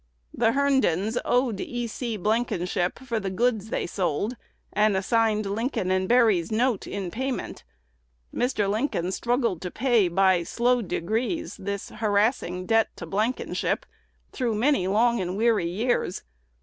The Herndons owed E. C. Blankenship for the goods they sold, and assigned Lincoln & Berry's note in payment. Mr. Lincoln struggled to pay, by slow degrees, this harassing debt to Blankenship, through many long and weary years.